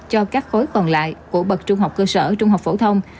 cho các khối còn lại của bậc trung học cơ sở trung học phổ thông